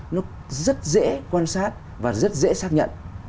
nó rất dễ quan sát và rất dễ xác nhận